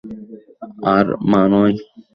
আর মা নয়।